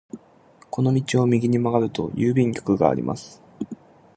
この道を右に曲がると郵便局があります。